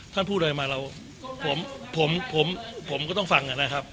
ท่านพูดอะไรมาเราผมก็ต้องฟังนะครับ